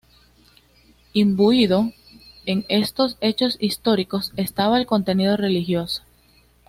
Imbuido en estos hechos históricos estaba el contenido religioso.